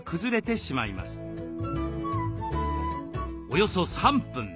およそ３分。